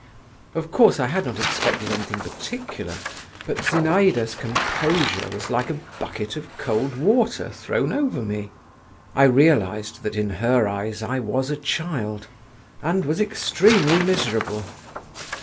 Of course, I had not expected anything particular, but Zinaïda's composure was like a bucket of cold water thrown over me. I realised that in her eyes I was a child, and was extremely miserable!